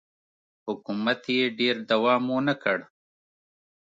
حکومت یې ډېر دوام ونه کړ